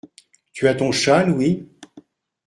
Tu as ton châle, oui ?